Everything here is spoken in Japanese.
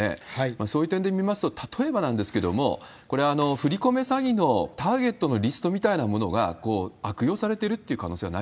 そういう点で見ますと、例えばなんですけれども、これ、振り込め詐欺のターゲットのリストみたいなものが悪用されてるっ